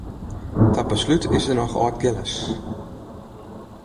Ta beslút is der noch Aldgillis.